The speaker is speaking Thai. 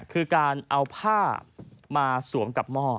คือการเอาผ้ามาสวมกับหม้อ